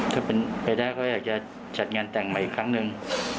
ถ้าเป็นไปได้ก็อยากจะจัดงานแต่งใหม่อีกครั้งหนึ่ง